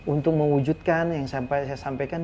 untuk mewujudkan yang saya sampaikan